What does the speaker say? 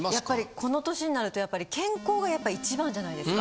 この年になるとやっぱり健康がやっぱ一番じゃないですか。